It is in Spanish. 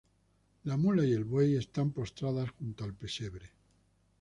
La mula y el buey están postradas junto al pesebre.